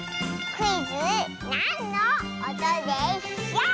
クイズ「なんのおとでショウ！」。